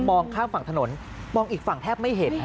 ข้ามฝั่งถนนมองอีกฝั่งแทบไม่เห็น